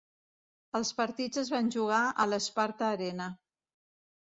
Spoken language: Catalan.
Els partits es van jugar a l'Sparta Arena.